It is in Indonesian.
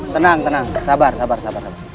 tenang tenang sabar sabar sabar